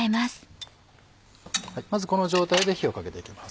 まずこの状態で火をかけていきます。